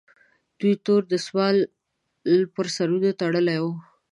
دوی تور دستمالونه پر سرونو تړلي وي.